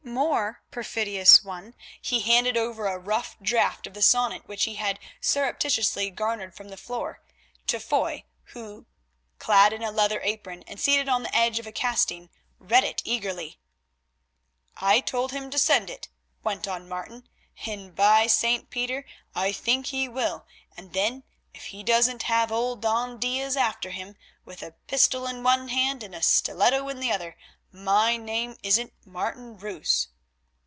More, perfidious one, he handed over a rough draft of the sonnet which he had surreptitiously garnered from the floor, to Foy, who, clad in a leather apron, and seated on the edge of a casting, read it eagerly. "I told him to send it," went on Martin, "and, by St. Peter, I think he will, and then if he doesn't have old Don Diaz after him with a pistol in one hand and a stiletto in the other, my name isn't Martin Roos."